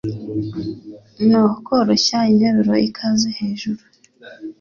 no koroshya interuro ikaze hejuru